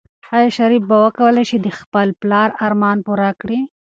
آیا شریف به وکولی شي چې د خپل پلار ارمان پوره کړي؟